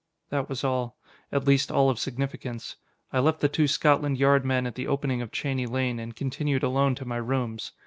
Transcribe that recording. That was all. At least, all of significance. I left the two Scotland Yard men at the opening of Cheney Lane, and continued alone to my rooms.